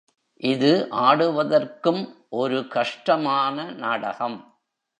இது ஆடுவதற்கும் ஒரு கஷ்டமான நாடகம்.